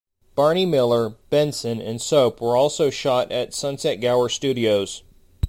"Barney Miller", "Benson" and "Soap" were also shot at Sunset Gower Studios.